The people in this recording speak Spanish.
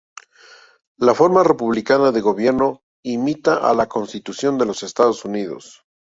La forma republicana de gobierno imita a la Constitución de los Estados Unidos.